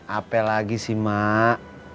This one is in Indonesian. apa lagi sih mak